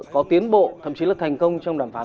có tiến bộ thậm chí là thành công trong đàm phán